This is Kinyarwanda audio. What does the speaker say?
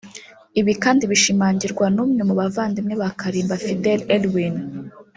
Ibi kandi bishimangirwa n’umwe mu bavandimwe ba Kalimba Fidel Elwin